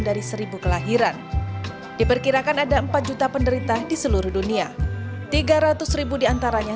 dari seribu kelahiran diperkirakan ada empat juta penderita di seluruh dunia tiga ratus ribu diantaranya